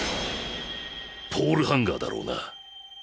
ポールハンガーだろうな。